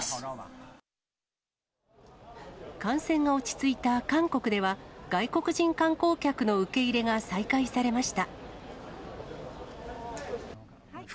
感染が落ち着いた韓国では、外国人観光客の受け入れが再開されました。